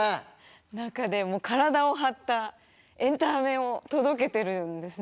中で体を張ったエンタメを届けてるんですね。